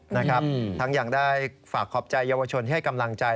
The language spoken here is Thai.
นะครับทั้งยังได้ฝากขอบใจเยาวชนที่ให้กำลังใจ